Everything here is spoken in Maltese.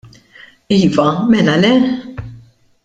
Iva, mela le!